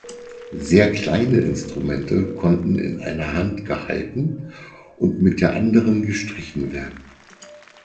Sehr kleine Instrumente konnten in einer Hand gehalten und mit der anderen gestrichen werden.